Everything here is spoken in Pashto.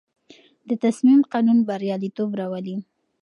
د تصمیم قانون بریالیتوب راولي.